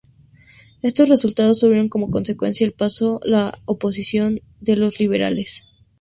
Estos resultados, tuvieron como consecuencia el paso a la oposición de los liberales.